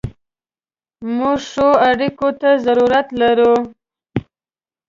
موږ ښو اړیکو ته ضرورت لرو.